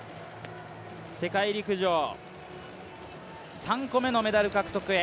世界陸上、３個目のメダル獲得へ。